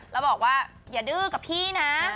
แล้วบอกว่าอย่าดื้อกับพี่นะ